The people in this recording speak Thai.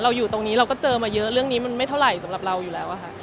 อยู่ตรงนี้เราก็เจอมาเยอะเรื่องนี้มันไม่เท่าไหร่สำหรับเราอยู่แล้วอะค่ะ